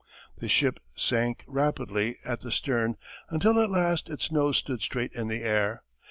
The ship sank rapidly at the stern until at last its nose stood straight in the air.